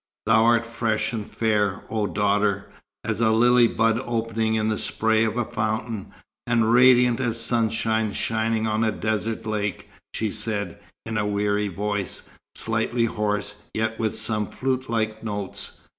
"Thou art fresh and fair, O daughter, as a lily bud opening in the spray of a fountain, and radiant as sunrise shining on a desert lake," she said in a weary voice, slightly hoarse, yet with some flutelike notes.